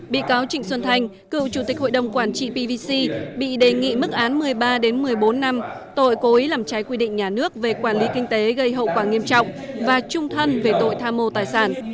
bị cáo trịnh xuân thanh cựu chủ tịch hội đồng quản trị pvc bị đề nghị mức án một mươi ba một mươi bốn năm tội cố ý làm trái quy định nhà nước về quản lý kinh tế gây hậu quả nghiêm trọng và trung thân về tội tham mô tài sản